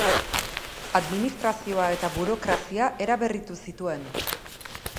Administrazioa eta burokrazia eraberritu zituen.